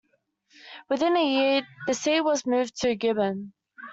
Within a year, the seat was moved to Gibbon.